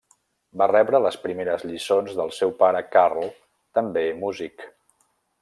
Va rebre les primeres lliçons del seu pare Karl també músic.